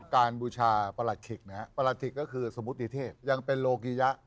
บูชาประหลัดขิกนะฮะประหลัคก็คือสมุติเทพยังเป็นโลกิยะ